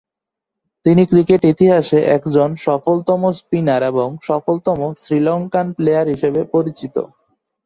তিনি ক্রিকেট ইতিহাসে একজন সফলতম স্পিনার এবং সফলতম শ্রীলঙ্কান প্লেয়ার হিসেবে পরিচিত।